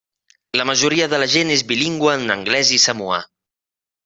La majoria de la gent és bilingüe en anglès i samoà.